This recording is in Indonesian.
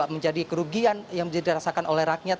menjadi kerugian yang bisa dirasakan oleh rakyat